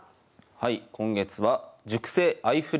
はい。